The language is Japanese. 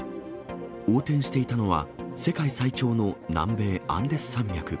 横転していたのは、世界最長の南米アンデス山脈。